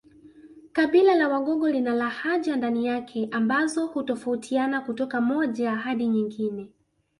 Kabila la Wagogo lina lahaja ndani yake ambazo hutofautiana kutoka moja hadi nyingine